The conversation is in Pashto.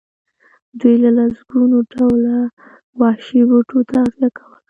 دوی له لسګونو ډوله وحشي بوټو تغذیه کوله.